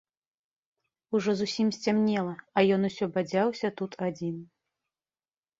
Ужо зусім сцямнела, а ён усё бадзяўся тут адзін.